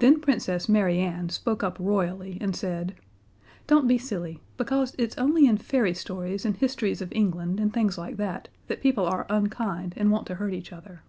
Then Princess Mary Ann spoke up royally, and said, "Don't be silly, because it's only in fairy stories and histories of England and things like that, that people are unkind and want to hurt each other.